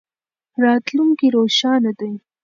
راتلونکی روښانه دی.